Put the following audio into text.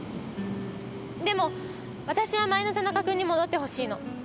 でもわたしは前の田中君に戻ってほしいの。